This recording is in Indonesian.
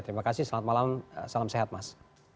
terima kasih selamat malam salam sehat mas